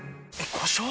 故障？